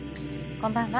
こんばんは。